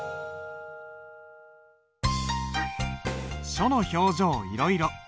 「書の表情いろいろ」。